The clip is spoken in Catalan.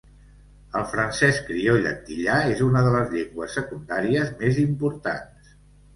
El francès crioll antillà és una de les llengües secundàries més importants.